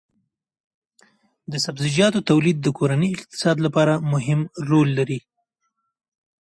د سبزیجاتو تولید د کورني اقتصاد لپاره مهم رول لري.